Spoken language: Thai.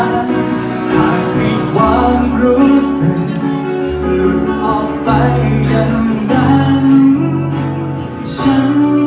หากมีความรู้สึกหลุดออกไปอย่างนั้นฉัน